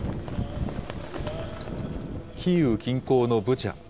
キーウ近郊のブチャ。